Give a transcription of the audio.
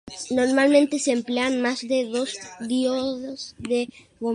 Normalmente se emplean más de dos diodos de bombeo.